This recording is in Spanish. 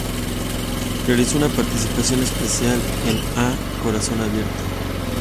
Realizó una participación especial en A corazón abierto.